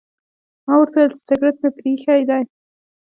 ما ورته وویل چې سګرټ مې پرې ایښي دي.